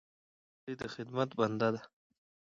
رسۍ د خدمت بنده ده.